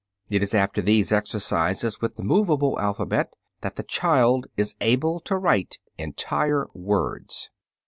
It is after these exercises with the movable alphabet that the child is able to write entire words.